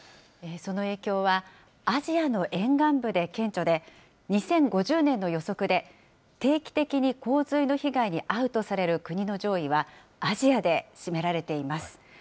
その影響はアジアの沿岸部で顕著で、２０５０年の予測で、定期的に洪水の被害に遭うとされる国の上位は、アジアで占められています。